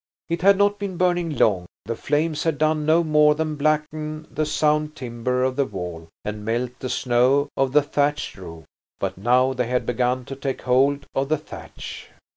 It had not been burning long. The flames had done no more than blacken the sound timber of the wall and melt the snow on the thatched roof. But now they had begun to take hold of the thatch.